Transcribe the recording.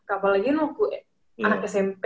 apalagi kan waktu anak smp